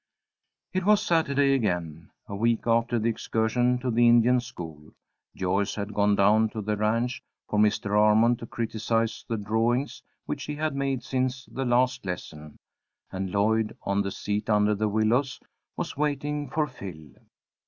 It was Saturday again, a week after the excursion to the Indian school. Joyce had gone down to the ranch, for Mr. Armond to criticize the drawings which she had made since the last lesson, and Lloyd, on the seat under the willows, was waiting for Phil.